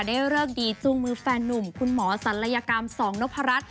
ได้เลิกดีจุงมือแฟนนุ่มคุณหมอสันละยกรรมสองโนภารัฐ